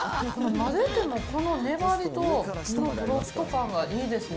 混ぜてもこの粘りと、とろっと感がいいですね。